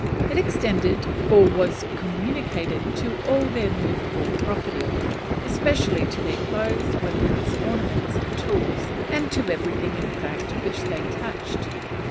It extended or was communicated to all their movable property; especially to their clothes, weapons, ornaments, and tools, and to everything, in fact, which they touched.